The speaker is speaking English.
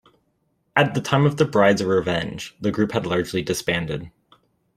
At the time of The Bride's revenge, the group has largely disbanded.